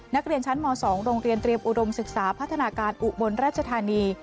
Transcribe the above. นักเรียนชั้นม๒โรงเรียนเตรียมอุดมศึกษาพัฒนาการอุบลราชธานี